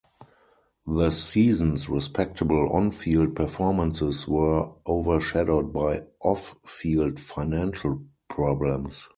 The season's respectable on-field performances were overshadowed by off-field financial problems.